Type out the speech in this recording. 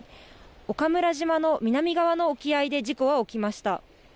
岡村島の南側の沖合で事故は起きました。